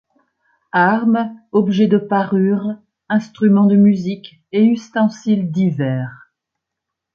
Armes, objets de parure, instruments de musique et ustensiles divers.